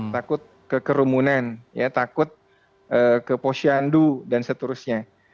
takut kekerumunan ya takut ke posyandu dan seterusnya